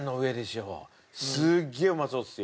すっげえうまそうっすよ。